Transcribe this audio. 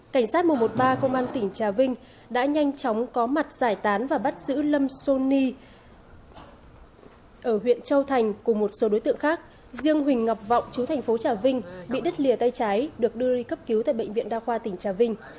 cảnh sát một trăm một mươi ba công an tỉnh trà vinh đã nhanh chóng có mặt giải tán và bắt giữ lâm sony ở huyện châu thành cùng một số đối tượng khác riêng huỳnh ngọc vọng chú thành phố trà vinh bị đứt lìa tay trái được đưa đi cấp cứu tại bệnh viện đa khoa tỉnh trà vinh